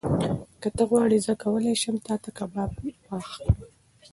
که ته غواړې، زه کولی شم تاته کباب پخ کړم.